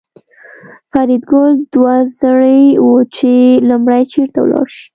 فریدګل دوه زړی و چې لومړی چېرته لاړ شي